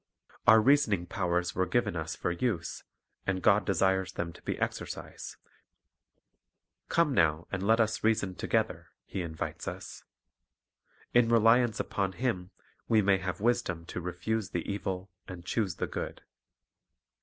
Our reasoning powers were given us for use, and God desires them to be exercised. "Come now, and let us reason together," 1 He invites us. In reliance upon Him we may have wisdom to "refuse the evil, and choose the good."